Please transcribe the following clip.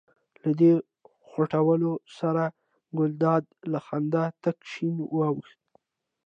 له دې خوټولو سره ګلداد له خندا تک شین واوښت.